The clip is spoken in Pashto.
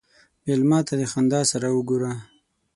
مېلمه ته د خندا سره وګوره.